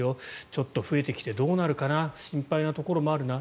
ちょっと増えてきてどうなるかな心配なところもあるな。